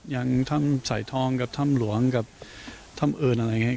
อย่างถ้ำสายทองกับถ้ำหลวงกับถ้ำอื่นอะไรอย่างนี้